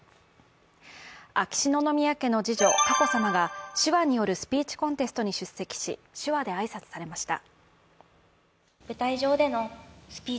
秋篠宮家の次女・佳子さまが手話によるスピーチコンテストに出席し手話で挨拶されました。